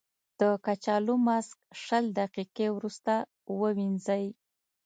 د کچالو ماسک شل دقیقې وروسته ووينځئ.